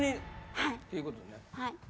はい。